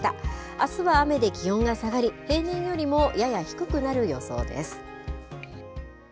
あすは雨で気温が下がり、平年よりもやや低くなる予想です。